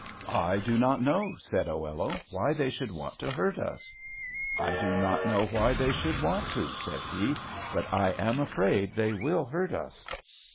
"I do not know," said Oello, "why they should want to hurt us." "I do not know why they should want to," said he, "but I am afraid they will hurt us."